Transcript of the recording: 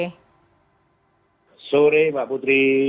sore mbak putri